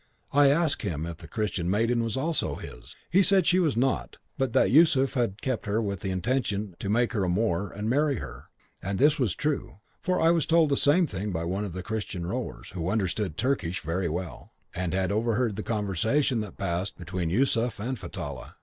I asked him if the Christian maiden was his also. He said she was not, but that Yusuf had kept her with the intention to make her a Moor and marry her; and this was true, for I was told the same thing by one of the Christian rowers, who understood Turkish very well, and had overheard the conversation that had passed between Yusuf and Fatallah.